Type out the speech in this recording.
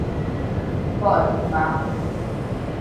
বল, মা।